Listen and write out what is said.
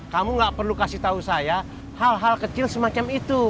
kamu gak perlu kasih tahu saya hal hal kecil semacam itu